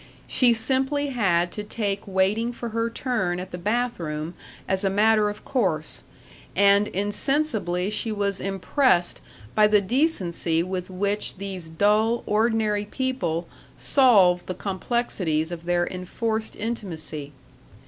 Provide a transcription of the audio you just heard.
She simply had to take waiting for her turn at the bathroom as a matter of course, and insensibly she was impressed by the decency with which these dull, ordinary people solved the complexities of their enforced intimacy.